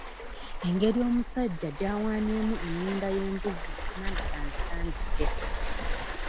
Engeri omusajja gy'awanyeemu ennunda y'embuzi nange ka nzitandike.